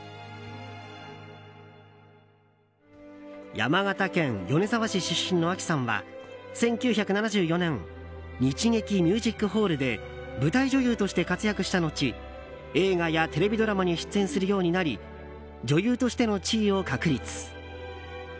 山形県米沢市出身のあきさんは１９７４年日劇ミュージックホールで舞台女優として活躍したのち映画やテレビドラマに出演するようになり女優としての地位を確立。